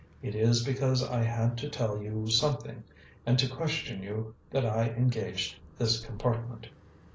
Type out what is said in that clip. "It is because I had to tell you something and to question you that I engaged this compartment.